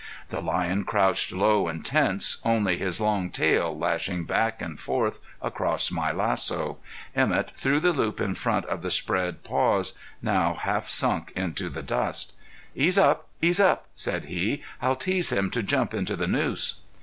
The lion crouched low and tense, only his long tail lashing back and forth across my lasso. Emett threw the loop in front of the spread paws, now half sunk into the dust. "Ease up; ease up," said he. "I'll tease him to jump into the noose."